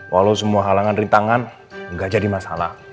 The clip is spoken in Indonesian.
walau semua halangan rintangan nggak jadi masalah